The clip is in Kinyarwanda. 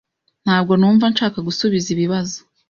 Ntabwo numva nshaka gusubiza ibibazo.